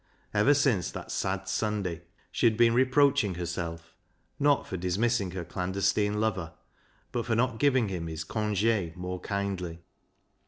Ever since that sad Sunday she had been reproaching herself, not for dismissing her clandestine lover, but for not giving him his cofige more kindly.